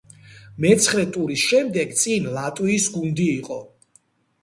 მეცხრე ტურის შემდეგ წინ ლატვიის გუნდი იყო.